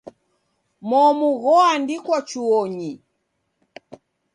Momu ghoandikwa chuonyi.